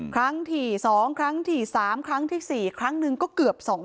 ครั้งที่๒ครั้งที่๓ครั้งที่๔ครั้งหนึ่งก็เกือบ๒๐๐